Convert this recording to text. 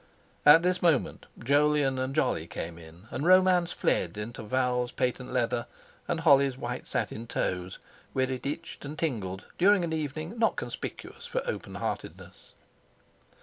At this moment Jolyon and Jolly came in; and romance fled into Val's patent leather and Holly's white satin toes, where it itched and tingled during an evening not conspicuous for open heartedness.